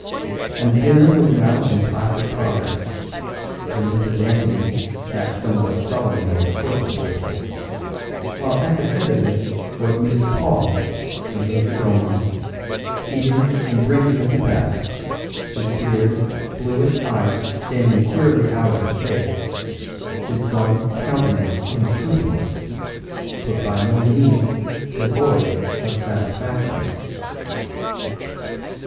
And the dinner was now in placid progress, for Mrs. Anthony sat somewhat sullenly at the foot of the table, while at the head of it was Mr. Paul, the major domo, eating and drinking of the best, his bleared, bluish eyes standing queerly out of his face, his gaunt countenance inscrutable, but by no means devoid of satisfaction.